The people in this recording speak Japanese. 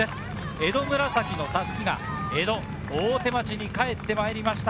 江戸紫の襷が江戸・大手町に帰ってまいりました。